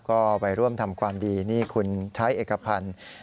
ก็ไปร่วมทำความดีนี่คุณใช้เอกพันธ์